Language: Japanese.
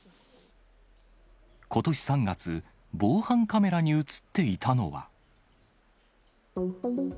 ことし３月、防犯カメラに写っていたのは。